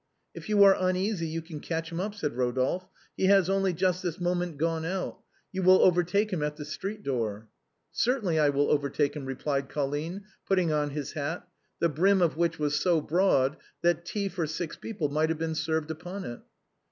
" If you are uneasy you can catch him up," said Ro dolphe ;" he has only just this moment gone out, you will overtake him at the street door." " Certainly I will overtake him/' replied Colline, put ting on his hat, the brim of which was so broad that tea for six people might have been served upon it.